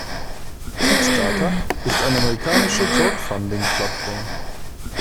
Kickstarter ist eine amerikanische Crowdfunding-Plattform.